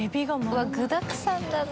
うわっ具だくさんだな。